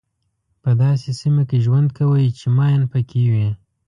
په داسې سیمه کې ژوند کوئ چې ماین پکې وي.